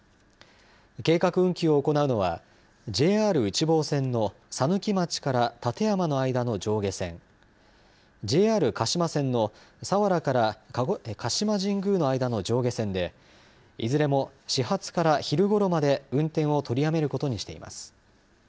計画運休を行うのはＪＲ内房線の佐貫町から館山の間の上下線ＪＲ鹿島線の佐原から鹿島神宮の間の上下線でいずれも、始発から昼ごろまで運転を取りやめることにしています。